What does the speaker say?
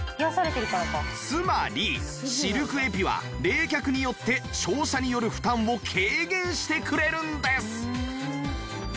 つまりシルクエピは冷却によって照射による負担を軽減してくれるんです